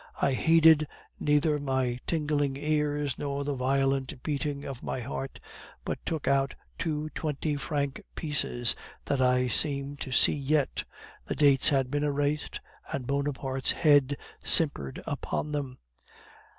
I heeded neither my tingling ears nor the violent beating of my heart, but took out two twenty franc pieces that I seem to see yet. The dates had been erased, and Bonaparte's head simpered upon them.